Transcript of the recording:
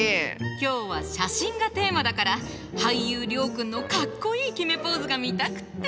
今日は写真がテーマだから俳優諒君のかっこいい決めポーズが見たくって。